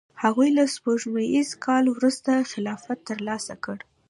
هغوی له سپوږمیز کال وروسته خلافت ترلاسه کړ.